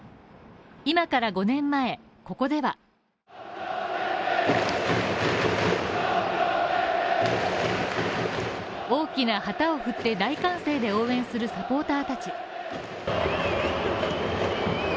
今から５年前、ここでは大きな旗を振って大歓声で応援するサポーターたち。